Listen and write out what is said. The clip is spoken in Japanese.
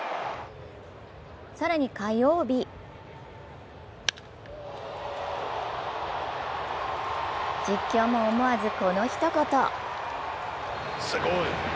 更に火曜日実況も思わずこのひと言。